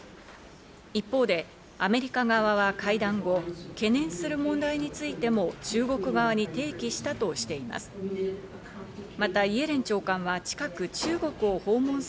一方でアメリカ側は会談後、懸念する問題についても中国側に提起したとしています。